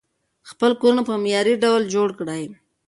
خپل کورونه په معیاري ډول جوړ کړئ.